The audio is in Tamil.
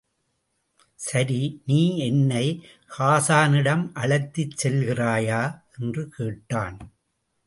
சரி நீ என்னை ஹாஸானிடம் அழைத்துச் செல்கிறாயா? என்று கேட்டான்.